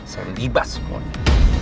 saya libas semuanya